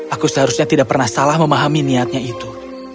aku seharusnya tidak pernah salah memahami niatnya itu